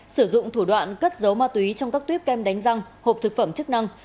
sử dụng thủ đoạn cất giấu ma túy trong các tuyếp kem đánh răng hộp thực phẩm chức năng